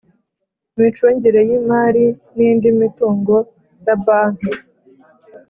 imicungire y imari n indi mitungo ya banke